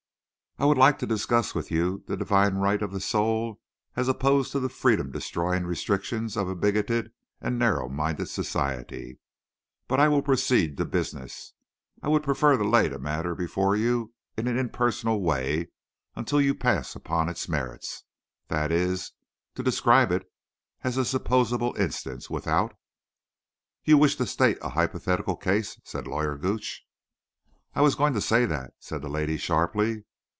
I would like to discuss with you the divine right of the soul as opposed to the freedom destroying restrictions of a bigoted and narrow minded society. But I will proceed to business. I would prefer to lay the matter before you in an impersonal way until you pass upon its merits. That is to describe it as a supposable instance, without—" "You wish to state a hypothetical case?" said Lawyer Gooch. "I was going to say that," said the lady, sharply.